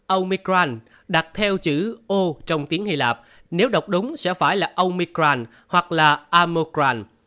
ômigran đặt theo chữ ô trong tiếng hy lạp nếu đọc đúng sẽ phải là ômigran hoặc là amogran